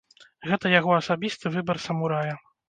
Гэта яго асабісты выбар самурая.